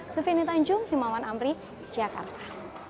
sufie nitanjung himawan amri jakarta